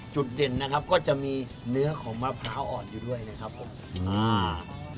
สูตรเด่นนะครับก็จะมีเนื้อของมะพร้าวอ่อนอยู่ด้วยนะครับเนี้ยครับของ